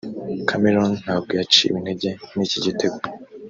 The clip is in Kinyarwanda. Cameroon ntabwo yaciwe intege n’iki gitego